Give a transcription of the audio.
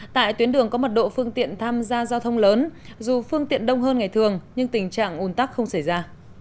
tại tuyến đường có mật độ phương tiện tham gia giao thông lớn dù phương tiện đông hơn ngày thường nhưng tình trạng ồn tắc không xảy ra